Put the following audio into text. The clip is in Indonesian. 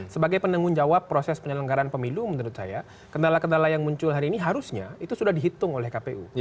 sebagai penanggung jawab proses penyelenggaraan pemilu menurut saya kendala kendala yang muncul hari ini harusnya itu sudah dihitung oleh kpu